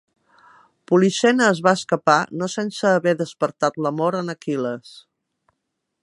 Polixena es va escapar, no sense haver despertat l'amor en Aquil·les.